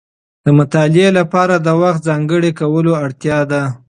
د مطالعې لپاره د وخت ځانګړی کولو اړتیا ده.